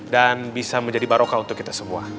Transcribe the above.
dan bisa menjadi barokah untuk kita semua